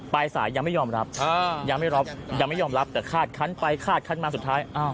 ไปสายยังไม่ยอมรับยังไม่ยอมรับแต่คาดคันไปคาดคันมาสุดท้าย